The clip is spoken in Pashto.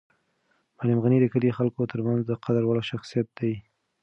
معلم غني د کلي د خلکو تر منځ د قدر وړ شخصیت دی.